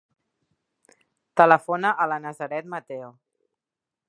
Telefona a la Nazaret Mateo.